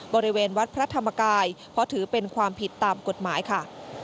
บริเวณวัดพระธรรมกายเพราะถือเป็นความผิดตามกฎหมายค่ะ